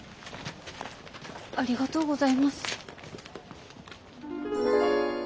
ありがとうございます。